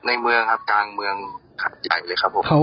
ในเมืองครับกลางเมืองหัดใหญ่เลยครับผม